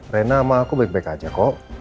rena sama aku baik baik aja kok